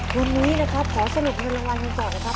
ทุนนี้นะครับขอสนุทธ์เพลงรางวัลดีกว่านะครับ